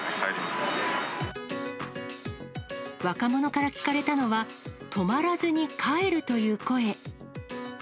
若者から聞かれたのは、泊まらずに帰るという声。